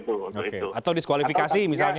oke atau diskualifikasi misalnya